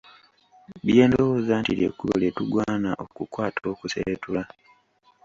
Bye ndowooza nti lye kkubo lye tugwana okukwata okuseetula.